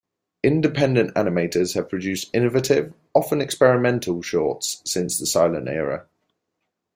Independent animators have produced innovative, often experimental, shorts since the silent era.